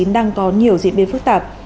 đang có nhiều diễn biến phức tạp